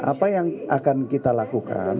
apa yang akan kita lakukan